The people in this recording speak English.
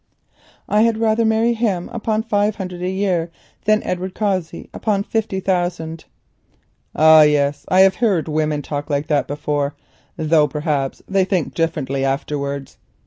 "I had rather marry him upon six hundred a year than Edward Cossey upon sixty thousand." "Ah, yes, I have heard young women talk like that before, though perhaps they think differently afterwards.